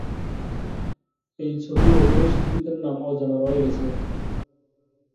এই ছবির অভিনয়শিল্পীদের নাম অজানা রয়ে গেছে।